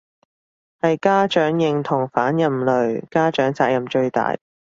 係家長認同反人類，家長責任最大